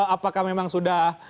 apakah memang sudah